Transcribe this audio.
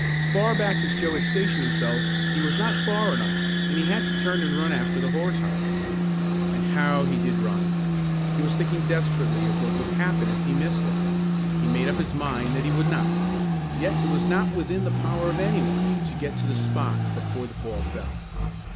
Far back as Joe had stationed himself he was not far enough and he had to turn and run after the horsehide. And how he did run! He was thinking desperately what would happen if he missed it! He made up his mind that he would not, yet it was not within the power of any one to get to the spot before the ball fell.